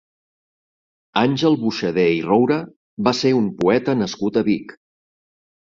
Àngel Boixader i Roura va ser un poeta nascut a Vic.